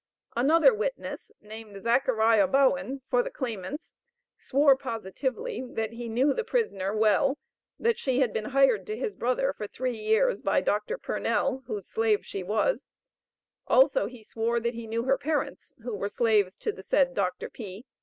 Another witness, named Zachariah Bowen, for the claimants, swore positively that he knew the prisoner well, that she had been hired to his brother for three years by Dr. Purnell, whose slave she was; also he swore that he knew her parents, who were slaves to the said Doctor P.